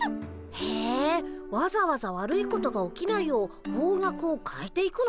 へえわざわざ悪いことが起きないよう方角を変えて行くの？